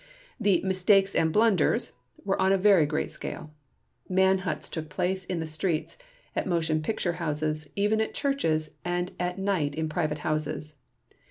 The "mistakes and blunders" were on a very great scale. Man hunts took place in the streets, at motion picture houses, even at churches and at night in private houses.